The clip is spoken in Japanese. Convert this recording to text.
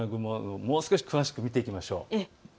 もう少し詳しく見ていきましょう。